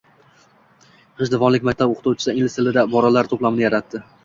G‘ijduvonlik maktab o‘quvchisi ingliz tilidagi iboralar to‘plamini yaratdi